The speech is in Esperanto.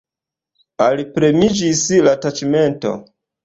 Alpremiĝis la taĉmento.